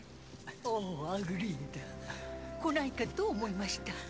おおアグリッド来ないかと思いました